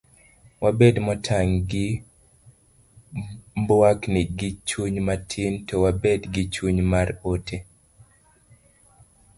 wabed motang' gi mbuakni gi chuny matin to wabed gi chuny mar owete